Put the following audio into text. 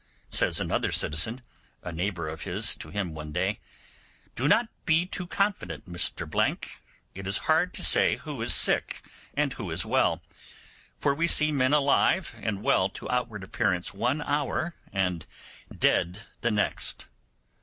Says another citizen, a neighbour of his, to him one day, 'Do not be too confident, Mr—; it is hard to say who is sick and who is well, for we see men alive and well to outward appearance one hour, and dead the next.